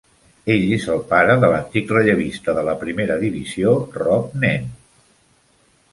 Ell és el pare de l'antic rellevista de la primera divisió Robb Nen.